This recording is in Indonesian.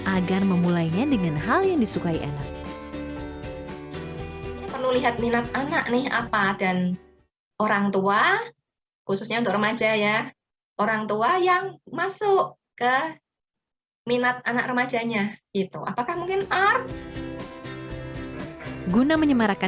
agar memulainya dengan hal yang disukai anak